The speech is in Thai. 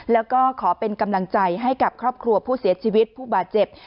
แล้วก็ขอเป็นกำลังใจให้กับครอบครัวผู้เสียชีวิตผู้บาดเจ็บ